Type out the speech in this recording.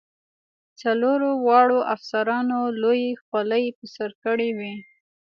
څلورو واړو افسرانو لویې خولۍ په سر کړې وې.